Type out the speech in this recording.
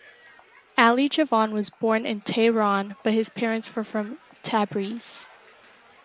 Ali Javan was born in Tehran, but his parents were from Tabriz.